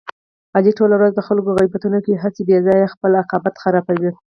علي ټوله ورځ د خلکو غیبتونه کوي، هسې بې ځایه خپل عاقبت خرابوي.